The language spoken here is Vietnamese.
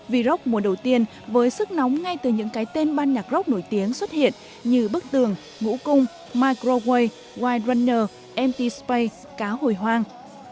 v rock mùa đầu tiên với sức nóng ngay từ những cái tên ban nhạc rock nổi tiếng xuất hiện như bức tường ngũ cung microway wide rounner mtspace cá hồi hoang